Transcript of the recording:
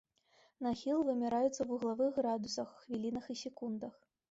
Нахіл вымяраецца ў вуглавых градусах, хвілінах і секундах.